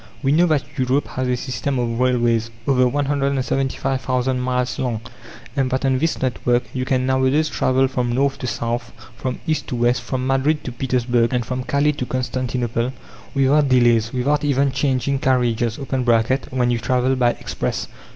We know that Europe has a system of railways, over 175,000 miles long, and that on this network you can nowadays travel from north to south, from east to west, from Madrid to Petersburg, and from Calais to Constantinople, without delays, without even changing carriages (when you travel by express).